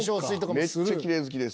めっちゃきれい好きです。